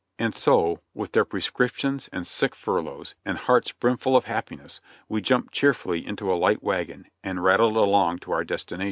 And so, with their prescriptions and sick furloughs, and hearts brimful of happiness, we jumped cheerfully into a light wagon and rattled along to our destination.